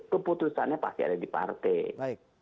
keputusannya pasti ada di partai